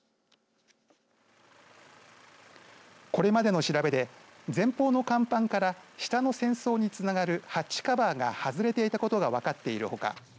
これまでの調べで前方の甲板から下の船倉につながるハッチカバーが外れていたことが分かっているほか